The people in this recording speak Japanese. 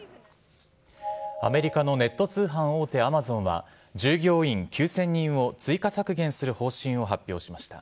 アメリカのネット通販大手アマゾンは、従業員９０００人を追加削減する方針を発表しました。